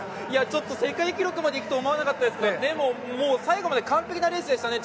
ちょっと世界記録までいくと思わなかったですけどでも最後まで完璧なレースでしたね。